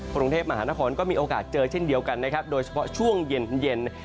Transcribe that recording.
กรุงเทพมหานครก็มีโอกาสเจอเช่นเดียวกันนะครับโดยเฉพาะช่วงเย็นเย็น